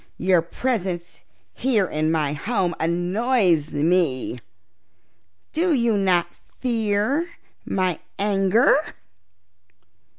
Your presence here in my home annoys me. Do you not fear my anger?"